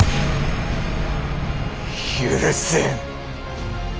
許せん！